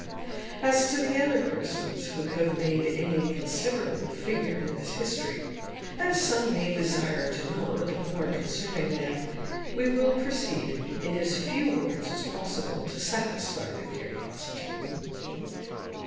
As to the other persons who have made any considerable figure in this history, as some may desire to know a little more concerning them, we will proceed, in as few words as possible, to satisfy their curiosity.